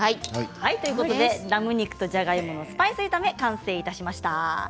ラム肉とじゃがいものスパイス炒め、完成しました。